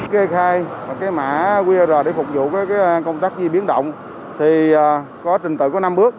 kê khai cái mã qr để phục vụ công tác di biến động thì có trình tự có năm bước